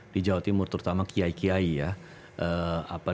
di jawa timur terutama kiai kiai ya